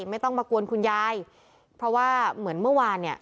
ไม่ต้องมากวนคุณยายเพราะว่าเหมือนเมื่อวานเนี่ย